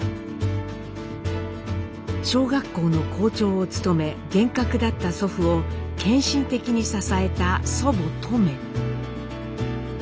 小学校の校長を務め厳格だった祖父を献身的に支えた祖母トメ。